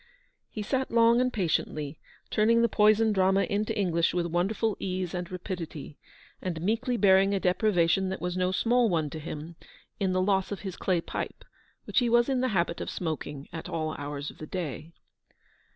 He sat long and patiently, turning the Poison drama into English with wonderful ease and 152 rapidity ; and meekly bearing a deprivation that was no small one to him, in the loss of his clay pipe, which he was in the habit of smoking at all hours of the day.